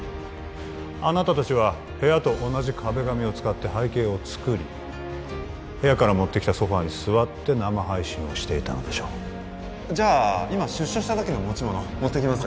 あなた達は部屋と同じ壁紙を使って背景を作り部屋から持ってきたソファに座って生配信をしていたのでしょうじゃあ今出所した時の持ち物持ってきます